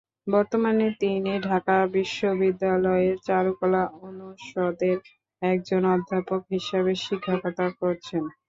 বর্তমানে তিনি ঢাকা বিশ্ববিদ্যালয়ের চারুকলা অনুষদের একজন অধ্যাপক হিসেবে শিক্ষকতা করছেন।